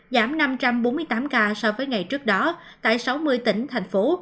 giảm năm trăm bốn mươi tám ca so với ngày trước đó tại sáu mươi tỉnh thành phố